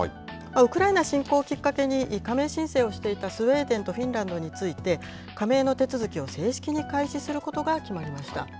ウクライナ侵攻をきっかけに加盟申請をしていたスウェーデンとフィンランドについて、加盟の手続きを正式に開始することが決まりました。